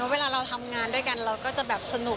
เวลาเราทำงานด้วยกันเราก็จะแบบสนุก